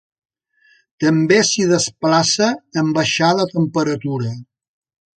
També s'hi desplaça en baixar la temperatura.